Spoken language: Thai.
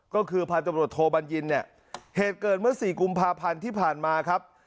ก็คือพันธุ์ตำรวจโทบัญญินเนี่ยเหตุเกิดเมื่อสี่กุมภาพันธ์ที่ผ่านมาครับ